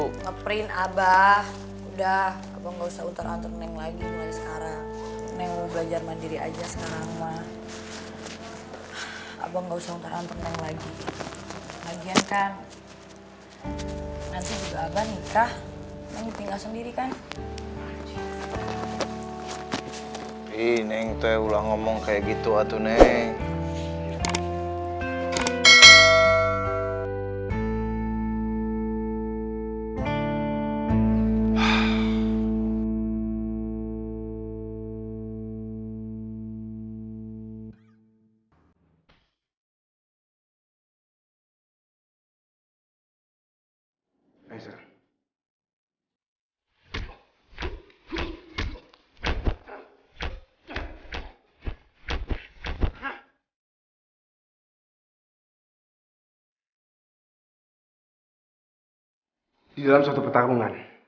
nge print abah udah abah gak usah utar atur neng lagi mulai sekarang